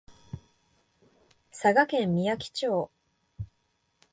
佐賀県みやき町